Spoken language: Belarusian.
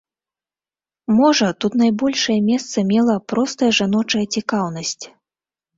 Можа, тут найбольшае месца мела простая жаночая цікаўнасць.